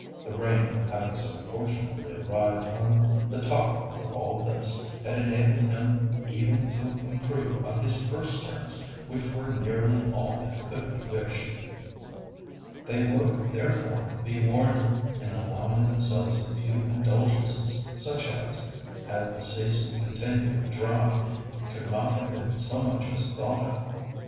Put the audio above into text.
The rain having so fortunately arrived on the top of all this, had enabled him even to improve on his first terms, which were nearly all that could be wished. They would therefore be warranted in allowing themselves a few indulgences such as, had the season continued dry, could not have been so much as thought of.